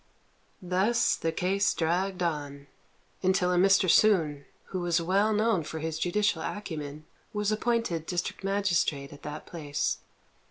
Thus the case dragged on, until a Mr. Sun, who was well known for his judicial acumen, was appointed district magistrate at that place.